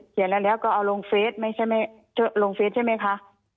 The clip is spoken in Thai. เขียนแล้วก็เอาลงเฟสใช่ไหมคะ